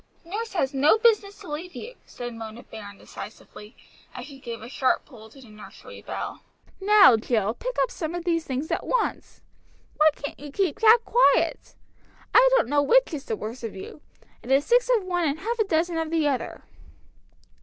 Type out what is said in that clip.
"Nurse has no business to leave you," said Mona Baron decisively, as she gave a sharp pull to the nursery bell. "Now, Jill, pick up some of these things at once. Why can't you keep Jack quiet? I don't know which is the worse of you. It is six of one and half a dozen of the other!"